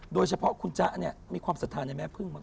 โดยเฉพาะคุณจ๊ะมีความศักดิ์ภาคในแม่พึ่งมาก